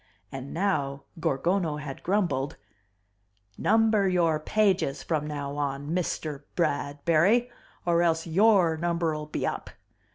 And now Gorgono had grumbled, "Number your pages from now on, MISTER Bradbury or else YOUR number'll be up.